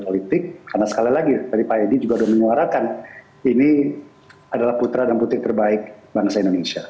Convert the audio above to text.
karena sekali lagi tadi pak edi juga sudah mengeluarkan ini adalah putra dan putri terbaik bangsa indonesia